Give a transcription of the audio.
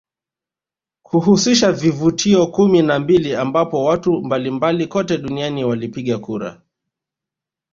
Kuhusisha vivutio kumi na mbili ambapo watu mbalimbali kote duniani walipiga kura